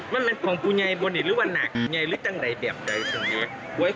มันเป็นของผู้ใหญ่บนอีกหรือว่าหนักผู้ใหญ่หรือจังใดแบบใดสังเกต